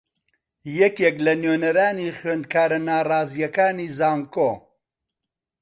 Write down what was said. یەکێک لە نوێنەرانی خوێندکارە ناڕازییەکانی زانکۆ